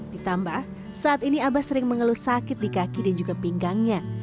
ditambah saat ini abah sering mengeluh sakit di kaki dan juga pinggangnya